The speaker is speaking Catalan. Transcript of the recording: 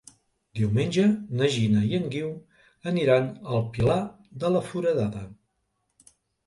Diumenge na Gina i en Guiu aniran al Pilar de la Foradada.